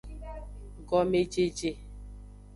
Gomejeje.